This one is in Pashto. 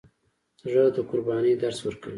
زړه د قربانۍ درس ورکوي.